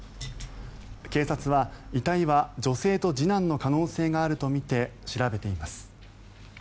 警察は遺体は女性と次男の可能性があるとみて調べています。